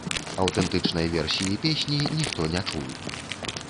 Аўтэнтычнай версіі песні ніхто не чуў.